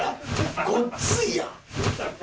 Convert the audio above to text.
ごっついやん。